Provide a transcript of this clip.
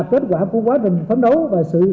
kết quả của quá trình phấn đấu và sự